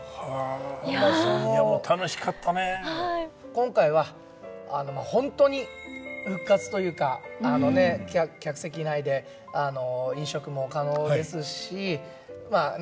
今回はホントに復活というかあのね客席内で飲食も可能ですしまあね